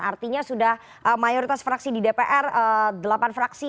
artinya sudah mayoritas fraksi di dpr delapan fraksi